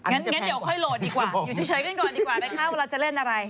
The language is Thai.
งั้นเดี๋ยวค่อยโหลดดีกว่าอยู่เฉยกันก่อนดีกว่านะคะเวลาจะเล่นอะไร